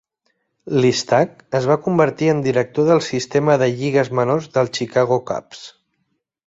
Listach es va convertir en director del sistema de lligues menors del Chicago Cubs.